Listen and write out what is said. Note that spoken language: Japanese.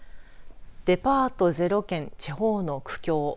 デパートゼロ県地方の苦境。